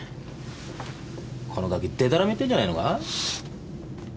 このガキデタラメ言ってるんじゃねえのか！？